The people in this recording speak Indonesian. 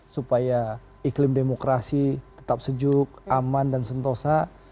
supaya iklim demokrasi tetap sejuk aman dan sentosa